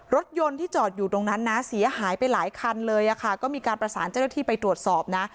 รถยนต์ที่จอดอยู่ตรงนั้นนะเสียหายไปหลายคันเลยค่ะก็มีการประสานเจ้าหน้าที่ไปตรวจสอบนะ